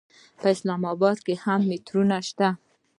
اسلام اباد کې هم میټرو شته.